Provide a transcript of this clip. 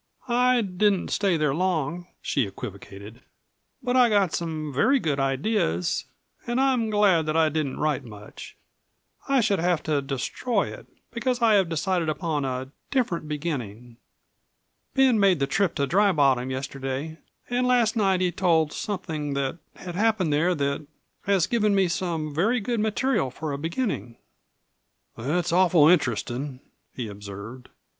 "I didn't stay there long," she equivocated. "But I got some very good ideas, and I am glad that I didn't write much. I should have had to destroy it, because I have decided upon a different beginning. Ben made the trip to Dry Bottom yesterday, and last night he told something that had happened there that has given me some very good material for a beginning." "That's awful interestin'," he observed.